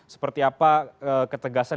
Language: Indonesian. seperti apa ketegasan